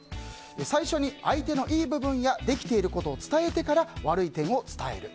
最初に相手のいい部分やできていることを伝えてから悪い点を伝える。